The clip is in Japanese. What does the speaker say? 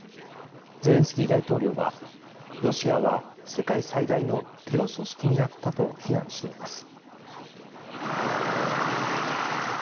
ゼレンスキー大統領はロシアは世界最大のテロ組織になったと非難しています。